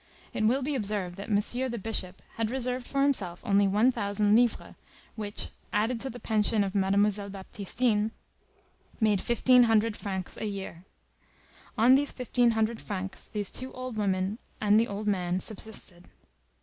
It will be observed that Monsieur the Bishop had reserved for himself only one thousand livres, which, added to the pension of Mademoiselle Baptistine, made fifteen hundred francs a year. On these fifteen hundred francs these two old women and the old man subsisted.